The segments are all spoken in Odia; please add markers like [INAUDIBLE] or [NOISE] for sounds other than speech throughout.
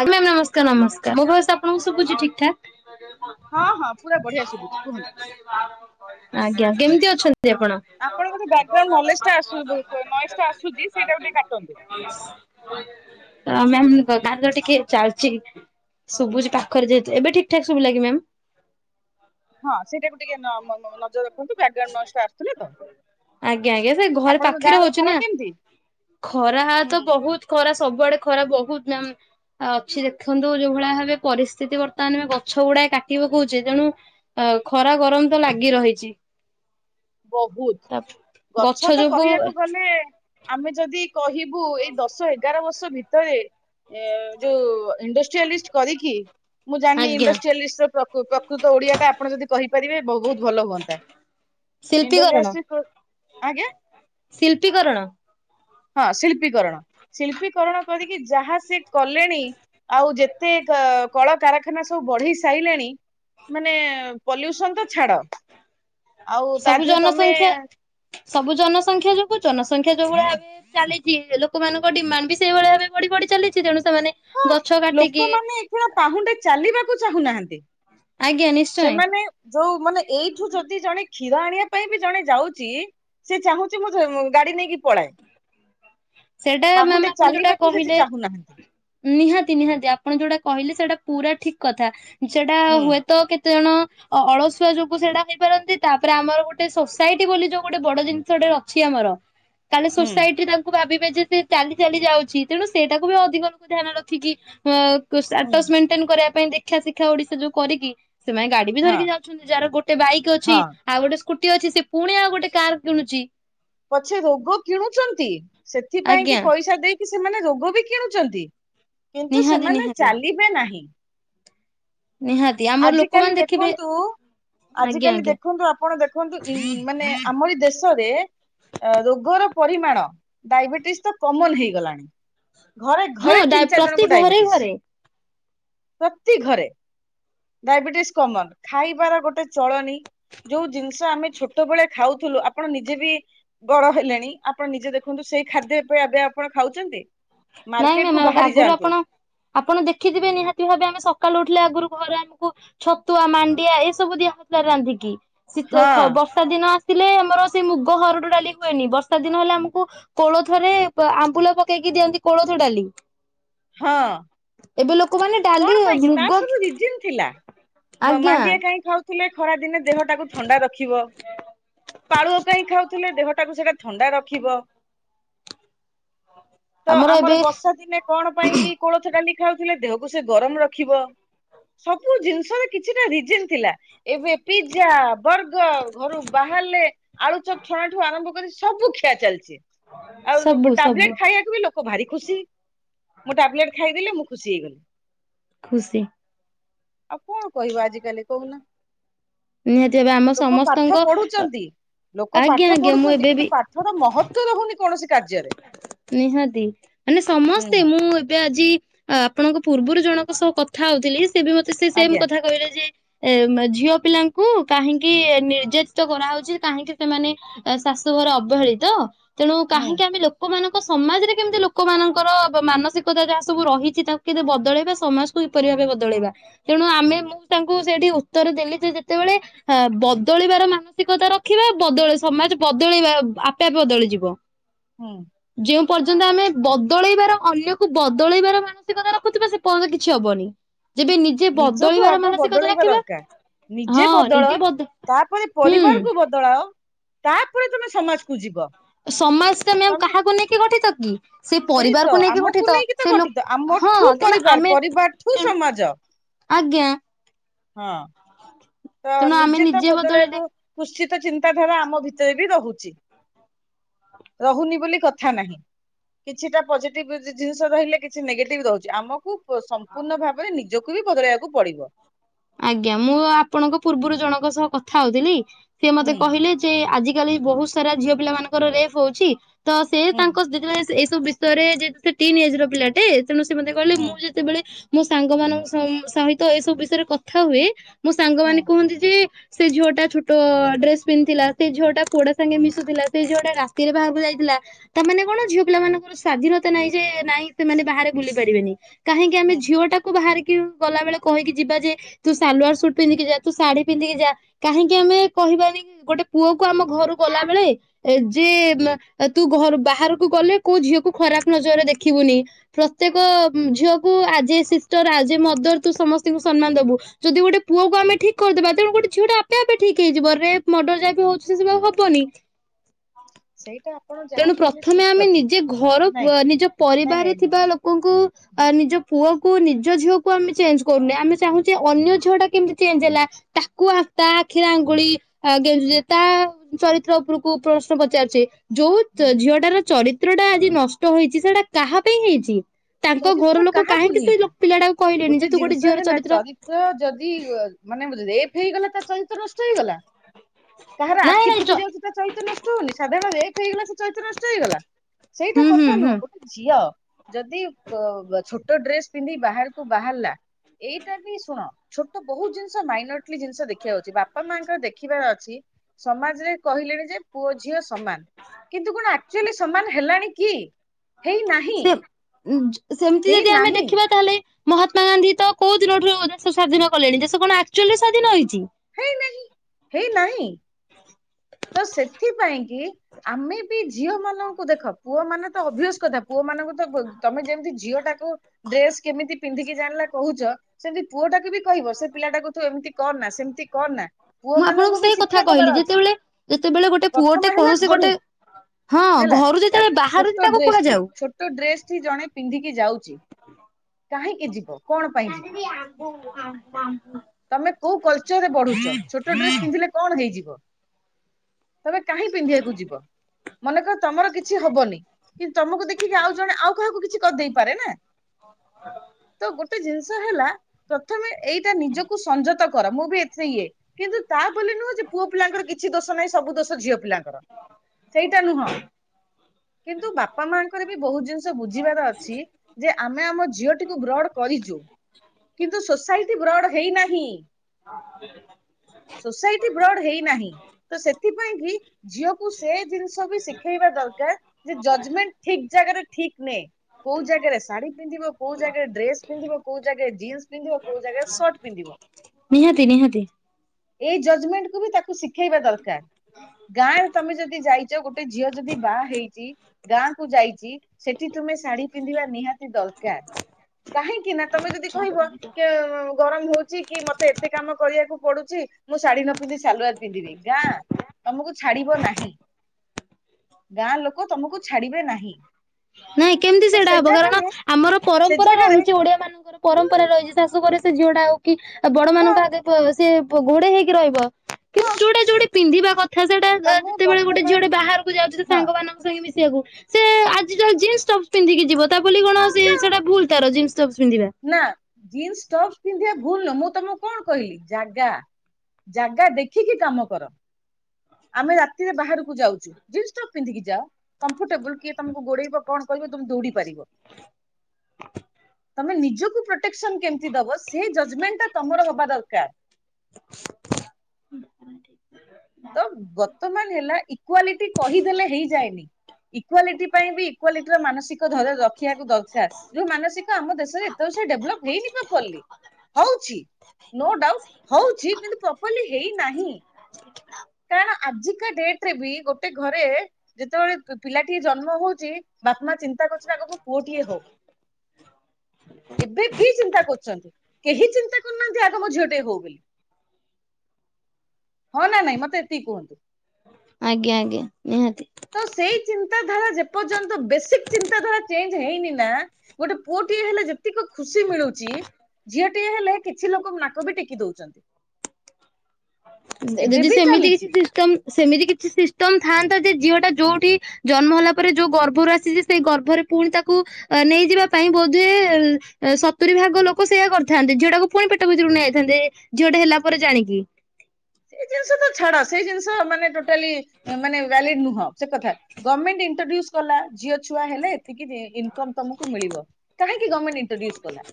ଆଜ୍ଞା ନମସ୍କାର ନମସ୍କାର ମୋ ଭୟସ ଆପଣଙ୍କୁ ଶୁଭୁଛି ଠିକ୍ ଠାକ୍? ହଁ ହଁ ପୁରା ବଢିଆ ଶୁଭୁଛି କୁହନ୍ତୁ। ଆଜ୍ଞା କେମିତି ଅଛନ୍ତି ଆପଣ? ଆପଣଙ୍କର ବ୍ୟାକ୍ ଗ୍ରାଉଣ୍ଡ ନଲେଜ୍ ଟା ଆସୁ ବ ନଏଜେ ଟା ଆସୁଛି ସେଇଟାକୁ ଟିକେ କାଟନ୍ତୁ। ତ ମ୍ୟାମ୍ କାନ୍ଦ ଟିକେ ଚାଲିଛି ଶୁଭୁଛି ପାଖରେ ଯେହେତୁ ଏବେ ଠିକ୍ ଠାକ୍ ଶୁଭିଲାକି ମ୍ୟାମ୍। ହଁ ସେଇଟାକୁ ଟିକେ ନ ନ ନଜର ରଖନ୍ତୁ ବ୍ୟାକ ଗ୍ରାଉଣ୍ଡ ନଏଜ୍ ଟା ଆସୁଥିଲା ତ। ଆଜ୍ଞା ଆଜ୍ଞା ସେ ଘରେ ଆପଣଙ୍କ ପାଖରେ ଗାଁରେ ହଉଛି ଖରା ନା କେମିତି? ଖରା ହୁଁ ତ ବୋହୁତ ଖରା ସବୁଆଡେ ଖରା ବୋହୁତ ମ୍ୟାମ୍। ଆଉ ଅଛି ଦେଖନ୍ତୁ ଯୋଉ ଭଳିଆ ଭାବେ ପରିସ୍ଥିତି ବର୍ତ୍ତମାନେ ଗଛ ଗୁଡାଏ କାଟି ପକଉଛି ତେଣୁ ଖରା ଗରମ ତ ଲାଗି ରହିଛି। ବହୁତ ତା ଗଛ ତ କହିବାକୁ ଗଲେ ଆମେ ଯଦି କହିବୁ ଏଇ ଦଶ ଏଗାର ବର୍ଷ ଭିତରେ ଏ ଯୋଉ ଇଣ୍ଡଷ୍ଟ୍ରିଆଲିଷ୍ଟ କରିକି ମୁଁ ଜାଣିନି ଆଜ୍ଞା ଇଣ୍ଡଷ୍ଟ୍ରଆଲିଷ୍ଟ ର ପ୍ରକୃତ ଓଡିଆ ଟା ଆପଣ ଯଦି କହିପାରିବେ ବହୁତ ଭଲ ହୁଅନ୍ତା। ଶିଳ୍ପୀକରଣ ଇଣ୍ଡଲିଆଷ୍ଟି ପ୍ରୋ ଆଜ୍ଞା। ଶିଳ୍ପୀକରଣ ହଁ ଶିଳ୍ପୀକରଣ ଶିଳ୍ପୀକରଣ କରିକି ଯାହା ସେ କଲେଣି। ଆଉ ଯେତେ କଳକାରଖାନା ସବୁ ବଢେଇ ସାରିଲେଣି ମାନେ ପଲ୍ୟୁସନ ତ ଛାଡ ଆଉ ତା ସବୁ ଦେହରେ ତମେ ଜନସଂଖ୍ୟା ସବୁ ଜନସଂଖ୍ୟା ଯୋଗୁ ଜନସଂଖ୍ୟା ଯୋଉ ଭଳିଆ ଚାଲିଛି ଲୋକମାନଙ୍କ ଡିମାଣ୍ଡ ବି ସେଇଭଳି ଭାବେ ବଢି ବଢି ଚାଲିଛି ତେଣୁ ସେମାନେ ହଁ ଗଛ କାଟିକି ଲୋକମାନେ ଏକୁଣା ପାହୁଣ୍ଡେ ଚାଲିବାକୁ ଚାହୁଁନାହାନ୍ତି। ଆଜ୍ଞା ନିଶ୍ଚ ସେମାନେ ଯୋଉ ମାନେ ଏଇଠୁ ଯଦି ଜଣେ କ୍ଷୀର ଆଣିବା ପାଇଁ ବି ଜଣେ ଯାଉଚି ସେ ଚାହୁଁଛି ମୁଁ ସେ ଗାଡି ନେଇକି ପୁଳାଏ। ସେଇଟା ପାହୁଣ୍ଡେ ମ୍ୟାମ୍ ଆପଣ ଯୋଉଟା ଚାଲିବାକୁ ସେ ଯେ କହିଲେ ଚାହୁଁନାହାଁନ୍ତି। ନିହାତି ନିହାତି ଆପଣ ଯୋଉଟା କହିଲେ ସେଇଟା ପୁରା ଠିକ କଥା ସେଟା ହୁଁ ହୁଏତ କେ ତେଣ ଅ ଅଳସୁଆ ଯୋଗୁ ସେଇଟା ହେଇପାରନ୍ତି ତାପରେ ଆମର ଗୋଟେ ସୋସାଇଟି ବୋଲି ଯୋଉ ଗୋଟେ ବଡ ଜିନିଷ ଟେ ର ଅଛି ଆମର ତାହଲେ ହୁଁ ସୋସାଇଟି ତାକୁ ଭାବିବେ ଯଦି ସେ ଚାଲି ଚାଲି ଯାଉଛି ତେଣୁ ସେଇଟାକୁ ବି ଅଧିକ ଧ୍ୟାନ ରଖିକି ଅ ହୁଁ ଷ୍ଟାଟସ ମେଣ୍ଟେନ କରିବା ପାଇଁ ଦେଖା ଶିକ୍ଷା ଓଡିଶା ଯୋଉ କରିକି ସେମାନେ ଗାଡି ବି ହଁ ଧରିକି ଯାଉଛନ୍ତି ଯାହାର ଗୋଟେ ବାଇକ ଅଛି। ହଁ। ଆଉ ଗୋଟେ ସ୍କୁଟି ଅଛି ସେ ପୁଣି ଆଉ ଗୋଟେ କାର୍ କିଣୁଚି। ପଛେ ରୋଗ କିଣୁଛନ୍ତି ସେଥିପାଇଁ କି ଆଜ୍ଞା ପଇସା ଦେଇ କି ସେମାନେ ରୋଗ ବି କିଣୁଛନ୍ତି କିନ୍ତୁ ନିହାତି ସେମାନେ ନିହାତି ଚାଲିବେ ନାହିଁ। ନିହାତି। ଆମର ଆଜ ଲୋକମାନେ କାଲି ଦେଖିବେ ଦେଖନ୍ତୁ। ଆଜ ଆଜ୍ଞା କାଲି ଆଜ୍ଞା ଦେଖନ୍ତୁ ଆପଣ ଦେଖନ୍ତୁ ଇଂ ମାନେ ଆମ ଏଇ ଦେଶରେ ରୋଗର ପରିମାଣ ଡାଇବେଟିସ ତ କମନ ହେଇଗଲାଣି। ଘରେ ହଁ ଘରେ ଡା ତିନି ଚାରି ପ୍ରତି ଜଣଙ୍କୁ ଘରେ ଡାଇବେଟିସ୍ ଘରେ ପ୍ରତି ଘରେ। ଡାଇବେଟିସ୍ କମନ ଖାଇବାର ଗୋଟେ ଚଳଣି ଯୋଉ ଜିନିଷ ଆମେ ଛୋଟ ବେଳେ ଖାଉଥିଲୁ ଆପଣ ନିଜେ ବି ବଡ ହେଲେଣି ଆପଣ ନିଜେ ଦେଖନ୍ତୁ ସେଇ ଖାଦ୍ୟ ପାଇଁ ଏବେ ଆପଣ ଖାଉଛନ୍ତି। ନାଇଁ ମାର୍କେଟ ନାଇଁ କୁ ମାମ ବାହାରି ଆଗରୁ ଯାଆନ୍ତୁ ଆପଣ ଆପଣ ଦେଖିଥିବେ ନିହାତି ଭାବେ ଆମେ ସକାଳୁ ଉଠିଲେ ଆଗରୁ ଘରେ ଆମକୁ ଛତୁଆ ମାଣ୍ଡିଆ ଏ ସବୁ ଦିଆ ହୋଉଥିଲା ରାନ୍ଧିକି ଶୀତ ହଁ ଖ ବ ସା ଦିନ ଆସିଲେ ଆମର ସେ ମୁଗ ହରଡ ଡାଲି ହୁଏନି ବର୍ଷା ଦିନ ହେଲେ ଆମକୁ କୋଳଥରେ ଆମ୍ବୁଲ ପକେଇକି ଦିଅନ୍ତି କୋଳଥ ଡାଲି। ହଁ। ଏବେ ଲୋକମାନେ ଡା କଣ ପାଇଁ କିି ତାର ସବୁ ରିଜିନ୍ ଥିଲା ଆଜ୍ଞା ମାଣ୍ଡିଆ କାଇଁ ଖାଉ ଥିଲେ ଖରା ଦିନେ ଦେହ ଟାକୁ ଥଣ୍ଡା ରଖିବ ପାଳୁଅ କାହିଁକି ଖାଉଥିଲେ ଦେହ ତାକୁ ସେଇଟା ଥଣ୍ଡା ରଖିବ। ତ ଆମର ବର୍ଷା ଦିନେ କଣ ପାଇଁ କିି କୋଳଥ ଡାଲି ଖାଉଥିଲେ। ଦେହ କୁ ସେ ଗରମ ରଖିବ। ସବୁ ଜିନିଷର କିଛିଟା ରିଜିନ ଥିଲା। ଏବେ ପିଜ୍ ଜା ବର୍ଗର ଘରୁ ବାହାରିଲେ ଆଳୁ ଚପ ଛଣା ଠୁ ଆରମ୍ଭ କରି ସବୁ ଖିଆ ଚାଲିଛି। ସବୁ ଆଉ ସବୁ ଟାବଲେଟ ଖାଇବାକୁ ଲୋକ ଭାରି ଖୁସି ମୁଁ ଟାବଲେଟ ଖାଇଦେଲେ ମୁଁ ଖୁସି ହେଇଗଲି। ଖୁସି। ଆଉ କଣ କହିବ ଆଜିକାଲି କହୁନା? ନିହାତି ଭାବେ ଆମ ଲୋକ ପାଠ ସମସ୍ତଙ୍କ ପଢୁଛନ୍ତି। ଲୋକ ଆଜ୍ଞା ପାଠ ଆଜ୍ଞା ମୁଁ ପଢୁଛନ୍ତି। ଏବେ କିନ୍ତୁ ବି ପାଠର ମହତ୍ୱ ରହୁନି କୌଣସି କାର୍ଯ୍ୟରେ। ନିହାତି ମାନେ ହୁଁ ସମସ୍ତେ ମୁଁ ଏବେ ଆଜି ଆପଣଙ୍କ ପୂର୍ବରୁ ଜଣଙ୍କ ସହ କଥା ହଉଥିଲି। ସେ ବି ମତେ ସେ ସେମ୍ ଆଜ୍ଞା କଥା କହିଲେ ଯେ ଏ ଝିଅ ପିଲାଙ୍କୁ କାହିଁକି ନିର୍ଯତିିତ କରାହେଉଛି? କାହିଁକି ସେମାନେ ଶାଶୁ ଘର ଅବହେଳିତ। ତେଣୁ ହୁଁ କାହିଁକି ଆମେ ଲୋକ ଲୋକମାନଙ୍କ ସମାଜରେ କେମିତି ଲୋକମାନଙ୍କର ମାନସିକତା ଯାହା ସବୁ ରହିଛି ତାକୁ କେ ବଦଳେଇବା। ସମାଜ କିପରି ଭାବେ ବଦଳେଇବା। ତେଣୁ ଆମେ ମୁଁ ତାଙ୍କୁ ସେଇଠି ଉତ୍ତର ଦେଲି ଯେ ଯେତେବେଳେ ହ ବଦଳିବାର ମାନସିକତା ରଖିବା। ବଦଳି ସମାଜ ବଦଳିବା ଆପେ ଆପେ ବଦଳି ଯିବ। ହୁଁ। ଯେଉ ପର୍ଯ୍ୟନ୍ତ ଆମେ ବଦଳେଇବାର ଅନ୍ୟକୁ ବଦଳେଇବାର ମାନସିକତା ରଖୁଥିବା ସେ ପର୍ଯ୍ୟନ୍ତ କିଛି ହବନି। ଯେବେ ନିଜ ନିଜକୁ ଆଗ ବଦଳେଇବା ଦରକାର। ନିଜେ ହଁ ବଦଳ ନିଜେ ବଦ ତାପରେ ହୁଁ ପରିବାରକୁ ବଦ ଦଳାଅ ତାପରେ ତମେ ସମାଜକୁ ଯିବ। ସମାଜ ତ ମ୍ୟାମ ତମେ କାହାକୁ ନେଇକି ଗଠିତ କି? ସେ ସେଇ ତ ପରିବାରକୁ ନେଇକି ଆମକୁ ଗଠିତ। ତ ସେ ଲୋ ଗଠିତ ହଁ ଆମଠୁ ତେଣୁ ପରିବାର ଆମେ ପରିବାରଠୁ ସମାଜ ଆଜ୍ଞା। ହଁ। ତ ତେଣୁ ଆମେ ନିଜେ ତ ବଦଳେଇବାକୁ ବଦଳିଲେ କୁଶ୍ଚିତ ଚିନ୍ତାଧାରା ଆମ ଭିତରେ ବି ରହୁଛି। ରହୁନି ବୋଲି କଥା ନାହିଁ। କିଛିଟା ପଜିଟିଭ ଜିନିଷ ରହିଲେ। କିଛି ନେଗେଟିଭ ରହୁଛି। ଆମକୁ ସମ୍ପୂର୍ଣ୍ଣ ଭାବରେ ନିଜକୁ ବି ବଦଳେଇବାକୁ ପଡିବ। ଆଜ୍ଞା ମୁଁ ଆପଣଙ୍କ ପୂର୍ବରୁ ଜଣଙ୍କ ସହ କଥା ହଉଥିଲି। ସିଏ ମତେ ହୁଁ କହିଲେ। ସେ ଆଜିକାଲି ବହୁତ ସାରା ଝିଅ ପିଲା ମାନଙ୍କର ରେପ୍ ହଉଛି। ତ ସେ ହୁଁ ତାଙ୍କ ଯେତେବେଳେ ଏଇ ସବୁ ଯେ ସେ ଟିନ ଏଜେର ପିଲାଟେ ତେଣୁ ସେମାନେେ କହିଲ ହୁଁ ମୁଁ ଯେତେବେଳେ ମୋ ସାଙ୍ଗ ମାନଙ୍କ ସହ ସହିତ ଏସବୁ ବିଷୟରେ କଥା ହୁଏ। ମୋ ସାଙ୍ଗ ହୁଁ ମାନେ କୁହନ୍ତି ଯେ ସେ ଝିଅ ଟା ଛୋଟ ଡ୍ରେସ ପିନ୍ଧିଥିଲା। ସେଇ ଝିଅଟା ପୁଅଟା ସାଙ୍ଗେ ମିଶୁଥିଲା। ସେଇ ଝିଅଟା ରାତିରେ ବାହାରକୁ ଯାଇଥିଲା। ତାମାନେ କଣ ଝିଅ ପିଲା ମାନଙ୍କର ସ୍ଵାଧୀନତା ନାଇଁ ଯେ ନାଇଁ ସେମାନେ ବାହାରେ ବୁଲି ପାଡିବେନି। କାହିଁକି ଆମେ ହୁଁ ଝିଅ ଟାକୁ ବାହାରିକି ଗଲା ବେଳେ କହିକି ଯିବା ଯେ ତୁ ସାଲୁଆର ସୁଟ ପିନ୍ଧିକି ଯା। ତୁ ଶାଢୀ ପିନ୍ଧିକି ଯା। କାହିଁକି ଆମେ କହିବାନି ଗୋଟେ ପୁଅକୁ ଆମ ଘରୁ ଗଲାବେଳେ ଏ ଯେ ତୁ ଘରୁ ବାହାରକୁ ଗଲେ କୋଉ ଝିଅକୁ ଖରାପ ନଜରରେ ଦେଖିବୁନି। ପ୍ରତ୍ୟେକ ଝିଅକୁ ଆ ଯେ ସିଷ୍ଟର ଆ ଯେ ମଦର ତୁ ସମସ୍ତଙ୍କୁ ସମ୍ମାନ ଦବୁ। ଯଦି ଗୋଟେ ପୁଅକୁ ଆମେ ଠିକ କରିଦବା। ତେଣୁ ଗୋଟେ ଝିଅଟା ଆପେ ଆପେ ଠିକ ହେଇଯିବ। ରେଫ ମଡର ଯାହା ବି ହଉଛି ସେ ସବୁ ହବନି। ସେଇଟା ଆପଣ ଯାହା ତେଣୁ କହିଲେ ପ୍ରଥମେ ଠିକ ଆମେ କଥା ନିଜେ ଘର ନାଇଁ ନିଜ ନାଇଁ ପରିବାରରେ ନାଇଁ ନାଇଁ। ଥିବା ଲୋକଙ୍କୁ ଆ ନିଜ ପୁଅକୁ ନିଜ ଝିଅକୁ ଆମେ ଚେଞ୍ଜ କରୁନେ। ଆମେ ଚାହୁଁଛେ ଅନ୍ୟ ଝିଅଟା କେମିତି ଚେଞ୍ଜ ହେଲା? ତାକୁ ଆ ତା ଆଖିରେ ଆଙ୍ଗୁଳି ଆ ଗେଞ୍ଜୁଚେ ତା ଚରିତ୍ର ଉପରକୁ ପ୍ରଶ୍ନ ପଚାରୁଛେ। ଯୋଉ ହଁ ଝିଅଟାର ଚରିତ୍ର ଟା ଆଜି ନଷ୍ଟ ହେଇଛି। ସେଟା କାହା ପାଇଁ ହେଇଛି? ତାଙ୍କ ଚରିତ୍ର ଘର ଲୋକ କାହାକୁ କାହିଁକି ସେ ନେଇକି ପିଲାଟାକୁ କହିଲେନି? ଯେ ତୁ ଗୋଟେ ଝିଅର ଚରିତ୍ର ତ ଯଦି ମାନେ ରେଫ୍ ହେଇଗଲା ତା ଚରିତ୍ର ନଷ୍ଟ ହେଇଗଲା। କାହାର ନାଇଁ ଆଖି ନାଇଁ ଫୁଟି ଚ ଯାଉଛି ତା ଚରିତ୍ର ନଷ୍ଟ ହଉନି। ସାଧାରଣ ରେ ହେଇଗଲା ସେ ଚରିତ୍ର ନଷ୍ଟ ହେଇଗଲା ସେଇଟା ହୁଁ ହୁଁ କଥା ହୁଁ। ନୁହଁ ଗୋଟେ ଝିଅ ଯଦି [UNINTELLIGIBLE] ଛୋଟୋ ଡ୍ରେସ୍ ପିନ୍ଧି ବାହାରୁକୁ ବାହାରିଲା ଏଇଟା ବି ଶୁଣ ଛୋଟୋ ବୋହୁତ ଜିନିଷ ମାଇଁନଟଲି ଜିନିଷ ଦେଖିବାର ଅଛି ବାପା ମାଙ୍କର ଦେଖିବାର ଅଛି। ସମାଜରେ କହିଲେଣି ଯେ ପୁଅ ଝିଅ ସମାନ। କିନ୍ତୁ କଣ ଆକ୍ଚୋଲି ସମାନ ହେଲାଣି କି? ହେଇ ନାହିଁ ସେ ଉଁ ସେମିତି ହେଇ ଯଦି ଆମେ ନାହିଁ ଦେଖିବା ତାହେଲେ ମହାତ୍ମା ଗାନ୍ଧୀ ତ କୋଉ ଦିନ ଠାରୁ ଦେଶ ସ୍ଵାଧୀନ କଲେଣି ଦେଶ କଣ ଆକ୍ଚୋଲି ସ୍ଵାଧୀନ ହେଇଛି। ହେଇନାହିଁ ହେଇନାହିଁ ତ ସେଥିପାଇଁ କି ଆମେ ବି ଝିଅ ମାନଙ୍କୁ ଦେଖ ପୁଅ ମାନେ ତ ଅଭ୍ୟସ କଥା ପୁଅ ମାନଙ୍କୁ ତ ତମେ ଯେମ ତି ଝିଅ ଟାକୁ ଡ୍ରେସ କେମିତି ପିନ୍ଧିକି ଜାଣିଲା କୋହୁଚ ସେମିତି ପୁଅ ଟାକୁ ବି କହିବ ସେ ପିଲାଟାକୁ ତୁ ଏମିତି କର ନା ସେମିତି କର ନା ପୁଅ ମୁଁ ମାନଙ୍କୁ ଆପଣଙ୍କୁ ବି ସେଇ ଶିକ୍ଷା କଥା ଦବାର କହିଲି ଅଛି ଯେତେବେଳେ ଯେତେବେଳେ ଗୋଟେ ପ୍ରଥମେ ପୁଅଟେ ହେଲା କୌଣସି ଘରୁ। ଗୋଟେ ହଁ ହେଲା ଘରୁ ଯେତେବେଳେ ତାପରେ ବାହାରୁଛି ଛୋଟୋ ତାକୁ ଡ୍ରେସ ଟି କୁହାଯାଉ ଛୋ ଟୋ ଡ୍ରେସଟି ଜଣେ ପିନ୍ଧିକି ଯାଉଚି କାହିଁକି ଯିବ? କଣ ପାଇଁ ଯିବ ତମେ କୋଉ କଲ୍ [UNINTELLIGIBLE] ବଢୁଚ ଛୋଟୋ ଡ୍ରେସ ପିନ୍ଧିଲେ କଣ ହେଇଯିବ। ତମେ କାହିଁ ପିନ୍ଧିବାକୁ ଯିବ। ମନେକର ତମର କିଛି ହବନି କିନ୍ତୁ ତମକୁ ଦେଖିକି ଆଉ ଜଣେ ଆଉ କାହାକୁ କିଛି କରିଦେଇ ପାରେ ନା। ତ ଗୋଟେ ଜିନିଷ ହେଲା ପ୍ରଥମେ ଏଇଟା ନିଜକୁ ସଂଯତ କର। ମୁଁ ବି ଏଥିରେ ଇଏ କିନ୍ତୁ ତା ବୋଲି ନୁହଁ ଯେ ପୁଅ ପିଲାଙ୍କର କିଛି ଦୋଷ ନାହିଁ ସବୁ ଦୋଷ ଝିଅ ପିଲା ଙ୍କର ସେଇଟା ନୁହଁ। କିନ୍ତୁ ବାପା ମାଙ୍କର ବି ବୋହୁତ ଜିନିଷ ବୁଝିବାର ଅଛି ଯେ ଆମେ ଆମ ଝିଅଟିକୁ ବ୍ରଡ କରିଚୁ କିନ୍ତୁ ସୋସାଇଟି ବ୍ରଡ ହେଇନାହିଁ। [UNINTELLIGIBLE] ସୋସାଇଟି ବ୍ରଡ ହେଇନାହିଁ ତ ସେଥିପାଇଁ କି? ଝିଅକୁ ସେ ଜିନିଷ ବି ଶିଖେଇବା ଦରକାର ଯେ ଜଜମେଣ୍ଟ ଠିକ ଜାଗାରେ ଠିକ ନେ। କୋଉ ଜାଗାରେ ଶାଢୀ ପିନ୍ଧିବ କୋଉ ଜାଗାରେ ଡ୍ରେସ ପିନ୍ଧିବ କୋଉ ଜାଗାରେ ଜିନ୍ସ ପିନ୍ଧିବ କୋଉ ଜାଗାରେ ସ୍କଟ ପିନ୍ଧିବ। ନିହାତି ନିହାତି। ଏଇ ଜଜମେଣ୍ଟ କୁ ବି ତାକୁ ଶି ଖେଇବା ଦରକାର ଗାଁରେ ତମେ ଯଦି ଯାଇଚ ଗୋଟେ ଝିଅ ଯଦି ବାହା ହେଇଚି। ଗାଁ କୁ ଯାଇଚି ସେଠି ତୁମେ ଶାଢୀ ପିନ୍ଧିବା ନିହାତି ଦରକାର କାହିଁକି ନା ତମେ ଯଦି କହିବ [UNINTELLIGIBLE] ଗରମ ହୋଉଚି କି ମତେ ଏତେ କାମ କରିବାକୁ ପଡୁଚି ମୁଁ ଶାଢୀ ନ ପିନ୍ଧି ସାଲୁଆର ପିନ୍ଧିବି ଗାଁ ତମୁକୁ ଛାଡିବ ନାହିଁ ଗାଁ ଲୋକୋ ତମୁକୁ ଛାଡିବେ ନାହିଁ। ନାଇଁ କେମିତି ତ ସେଟା ସେ ହବ କାରଣ ଜାଗାରେ ଆମର ସେ ପରମ୍ପରା ଜାଗାରେ ରହିଚି ଓଡିଆ ମାନ ଙ୍କର ହୁଁ ପରମ୍ପରା ରହିଚି ଶାଶୂ ଘରେ ସେ ଝିଅଟା ଆଉ କି ବଡ ମାନଙ୍କ ହଁ ଆଗରେ ପ ସିଏ ପ ଘୋଡେଇ ହେଇକି ରହିବ କିନ୍ତ ହଁ ଯୋଉଡା ଯୋଉଟି ପିନ୍ଧିବା କ ଥା ସେଟା ଆ ତମେ ଯେତେବେଳେ ଗୋଟେ ବର୍ତ୍ତମାନ ଝିଅ ଟେ ବାହାରକୁ ଯାଉଛି ତା ହଁ ସାଙ୍ଗମାନଙ୍କ ସାଙ୍ଗେ ମିଶିବାକୁ ସେ ଆ [UNINTELLIGIBLE] ଜିନ୍ସ ଟପ୍ସ ପିନ୍ଧିକି ଯିବ ତା ବୋଲି କଣ ହଁ ସିଏ ଯାଅ ସେଟା ଭୁଲ୍ ତାର ଜିନ୍ସ ଟପ୍ସ ପିନ୍ଧିବା। ନା ଜିନ୍ସ ଟପ୍ସ ପିନ୍ଧିବା ଭୁଲ ନୁଁହ ମୁଁ ତମୁକୁ କଣ କହିଲି ଜାଗା। ଜାଗା ଦେଖିକି କାମ କର। ଆମେ ରାତିରେ ବାହାରକୁ ଯାଉଚୁ। ଜିନ୍ସ ଟପ ପିନ୍ଧିକି ଯା କମ୍ଫଟେବୁଲ୍ କିଏ ତମକୁ ଗୋଡେଇବ କଣ କରିବ [UNINTELLIGIBLE] ଦୌଡି ପାରିବ। ତମେ ନିଜକୁ ପ୍ରୋଟେକ୍ସନ କେମିତି ଦବ ସେ ଜଜମେଣ୍ଟ ଟା ତମର ହବା ଦରକାର। ତ ଗର୍ତ୍ତମାନ ହେଲା ଇକ୍ୱାଲିଟି କହିଦେଲେ ହେଇଯାଏନି। ଇକ୍ୱାଲିଟି ପାଇଁ ବି ଇକ୍ୱାଲିଟିର ମାନସିକ୍ [UNINTELLIGIBLE] ରଖିବାକୁ ଦରକାର ଯୋଉ ମାନସିକ ଆମ ଦେଶରେ [UNINTELLIGIBLE] ଡେଭଲପ୍ ହେଇନି ପ୍ରପର୍ଲି। ହଉଛି ନୋ ଡାଉଟୁ ହୋଉଛି କିନ୍ତୁ ପ୍ରପର୍ଲୀ ହେଇନାହିଁ। [UNINTELLIGIBLE] କାରଣ ଆଜିକା ଡେଟ୍ ରେ ବି ଗୋଟେ ଘରେ ଯେତେବେଳେ ପିଲାଟିଏ ଜନ୍ମ ହଉଛି ବାପା, ମା ଚିନ୍ତା କରୁଛନ୍ତି ଆଗକୁ ପୁଅଟିଏ ହଉ। ଏବେ ବି ଚିନ୍ତା କରୁଛନ୍ତି। କେହି ଚିନ୍ତା କରୁନାହାନ୍ତି ଆଗ ମ ଝିଅ ଟେ ହଉ ବୋଲି। ହଁ ନା ନାହିଁ ମତେ ଏତିକି କୁହ। ଆଜ୍ଞା ଆଜ୍ଞା ନିହାତି। ତ ସେଇ ଚିନ୍ତାଧାରା ଯେପର୍ଯ୍ୟନ୍ତ ବିକ ଚିନ୍ତାଧାରା ଚେଞ୍ଜ ହେଇନି ନା ଗୋଟେ ପୁଅଟିଏ ହେଲେ ଯେତିକ ଖୁସି ମିଳୁଛି। ଝିଅଟିଏ ହେଲେ କିଛି ଲୋକ ନାକ ବି ଟେକି ଦଉଛନ୍ତି। ଏବେ ଯଦି ବି ସେମିତି ଚାଲିଛି କିଛି ସିଷ୍ଟମ ସେମିତି କିଛି ସିଷ୍ଟମ ଥାଆନ୍ତା ଯେ ଝିଅ ଟା ଯୋଉଠି ଜନ୍ମ ହେଲା ପରେ ଯୋଉ ଗର୍ଭରୁ ଆସିଛି ସେଇ ଗର୍ଭରେ ପୁଣି ତାକୁ ଅ ନେଇଯିବା ପାଇଁ ବୋଧହୁେ ସତୁରି ଭାଗ ଲୋକ ସେୟା କରିଥାନ୍ତି। ଝିଅଟାକୁ ପୁଣି ପେଟ ଭିତରକୁ ନେଇଯାଇଥାନ୍ତେ। ଝିଅଟେ ହେଲା ପରେ ଜାଣିକି। ସେଇ ଜିନିଷ ତ ଛାଡ ସେଇ ଜିନିଷ ମାନେ ଟୋଟାଲି ମାନେ ଭଲିଡ ନୁହଁ ସେ କଥା। ଗମେଣ୍ଟ ଇନ୍ତଦୁସ୍ କଲା ଝିଅ ଛୁଆ ହେଲେ ଏତିକି ଇନକମ୍ ତମକୁ ଏତିକି ମିଳବ। କାହିଁକି ଗଭର୍ମେଣ୍ଟ ଇନ୍ତ୍ରୋଡୁସ କଲା।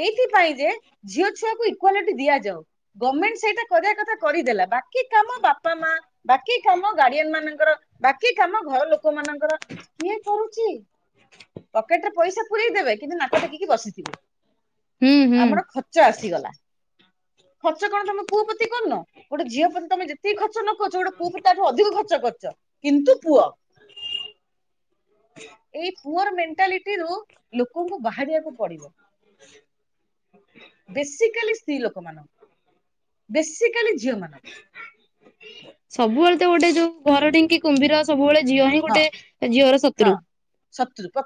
ଏଇଥିପାଇଁ ଯେ ଝିଅ ଛୁଆକୁ ଇକ୍ୱାଲିଟି ଦିଆଯାଉ। ଗଭର୍ଣ୍ଣମେଣ୍ଟ ସେଇଟା କରିବା କଥା କରିଦେଲା। ବାକି କାମ ବାପା ମା ବାକି କାମ ଗାର୍ଡିଆନ ମାନଙ୍କର ବାକି କାମ ଘର ଲୋକ ମାନଙ୍କର କିଏ କରୁଛି। ପକେଟ ରେ ପଇସା ପୁରଇ ଦେବେ କିନ୍ତୁ ନାକ ଟେକିକି ବସିଥିବେ ହୁଁ ହୁଁ ଆମର ଖର୍ଚ୍ଚ ଆସିଗଲା ଖର୍ଚ୍ଚ କଣ ତମେ ପୁଅ ପତି କରୁନ। ଗୋଟେ ଝିଅ ପ୍ରତି ତମେ ଯେତିକି ଖର୍ଚ ନ କରୁଛ ଗୋଟେ ପୁଅ ତା ଠୁ ଅଧିକ ଖର୍ଚ୍ଚ କରୁଛ କିନ୍ତୁ ପୁଅ ଏଇ ପୁଅର ମେଣ୍ଟାଲିଟିରୁ ଲୋକଙ୍କୁ ବାହାରିବାକୁ ପଡିବ। ବେସିକାଲି ସ୍ତ୍ରୀ ଲୋକମାନଙ୍କୁ ବେସିକାଲି ଝିଅ ମାନଙ୍କୁ ସବୁବେଳେ ତ ଗୋଟେ ଯୋଉ ଘର ଢିଙ୍କି କୁମ୍ଭୀର ସବୁବେଳେ ଝିଅ ହିଁ ହଁ ଗୋଟେ ଝିଅର ହଁ ଶତ୍ରୁ। ଶତ୍ରୁ ପ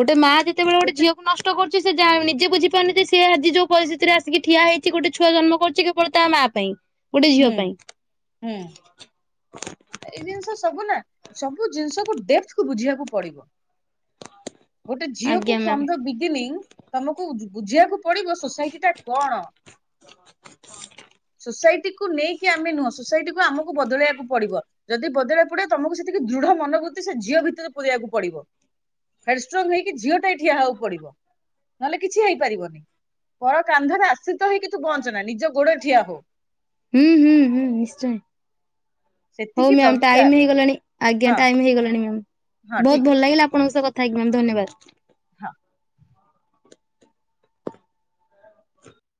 ଗୋଟେ ମା ଯେତେବେଳେ ଗୋଟେ ଝିଅକୁ ନଷ୍ଟ କଷ୍ଟ କରୁଛି ସେ ଯାଣ ନିଜେ ବଝିପାରୁନି ଯେ ସେ ଆଜି ଯୋଉ ପରିସ୍ଥିତିରେ ଆସିକି ଠିଆ ହେଇଛି ଗୋଟେ ଛୁଆ ଜନ୍ମ କରିଛି କେବଳ ତା ମା ପା ପାଇଁ ଗୋଟେ ଝିଅ ହୁଁ ପାଇଁ। ହୁଁ। [INAUDIBLE] ଏଇ ଜିନିଷ ସବୁ ନା ସବୁ ଜିନିଷକୁ ଡେପ୍ଥ କୁ ବୁଝିବାକୁ ପଡିବ। ଗୋଟେ ଝିଅକୁ ଆଜ୍ଞା ଫ୍ରମ ମ୍ୟାମ୍। ଦ ବିଗିନିଂ ତମକୁ ବୁଝିବାକୁ ପଡିବ ସୋସାଇଟି ଟା କଣ। ସୋସାଇଟି କୁ ନେଇକି ଆମେ ନୁହଁ ସୋସାଇଟିକୁୁ ଆମକୁ ବଦଳେଇବାକୁ ପଡିବ। ଯଦି ବଦଳାଇ ପଡିବ ତମକୁ ସେତିକି ଦୃଢ ମନୋବୃତ୍ତି ସେ ଝିଅ ଭିତରେ ପୁରେଇବାକୁ ପଡିବ। ହଡଷ୍ଟ୍ରଙ୍ଗ ହେଇକି ଝିଅ ଟା ଠିଆବାକୁ ପଡିବ। ନହେଲେ କିଛି ହେଇପାରିବନି ପର କାନ୍ଧରେ ଆଶ୍ରିତ ହେଇକି ତୁ ବଞ୍ଚ ନା ନିଜ ଗୋଡ ଠିଆ ହୋ। ହୁଁ ହୁଁ ହୁଁ ନିଶ୍ଚୟ ହଉ ସେତିକି ମାମ୍ ଦରକାର ଟାଇମ ହେଇଗଲାଣି। ଆଜ୍ଞା ହଁ ଟାଇମ ହେଇଗଲାଣି ମ୍ୟାମ୍ ହଁ ଠିକ ବହୁତ ଭଲ ଅଛି ଲାଗିଲା ଆପଣଙ୍କ ସହ କଥା ହେଇକି ମ୍ୟାମ୍ ଧନ୍ୟବାଦ। ହଁ।